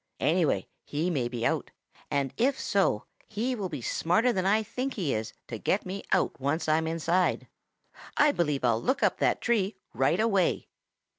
Anyway, he may be out, and if so he will be smarter than I think he is to get me out once I'm inside. I believe I'll look up that tree right away."